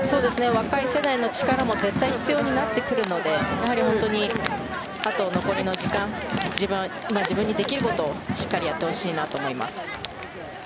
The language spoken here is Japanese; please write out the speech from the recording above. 若い世代の力も絶対、必要になってくるので本当に、あと残りの時間自分にできることをしっかりやってほしいなと思います。